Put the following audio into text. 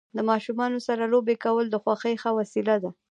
د ماشومانو سره لوبې کول د خوښۍ ښه وسیله ده.